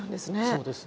そうです。